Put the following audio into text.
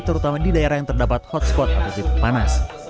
terutama di daerah yang terdapat hotspot atau titik panas